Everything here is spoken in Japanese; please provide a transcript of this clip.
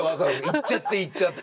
行っちゃって行っちゃって。